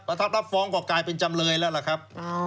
ทัพรับฟ้องก็กลายเป็นจำเลยแล้วล่ะครับ